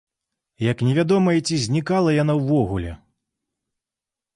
Як невядома і ці знікала яна ўвогуле.